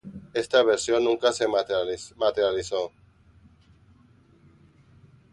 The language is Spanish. Esta versión nunca se materializó.